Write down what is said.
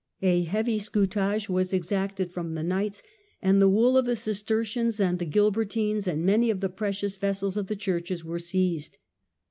A heavy scutage was exacted from the knights, and the wool of the Cistercians and the Gilbertines and many of the precious vessels of the churches were seized.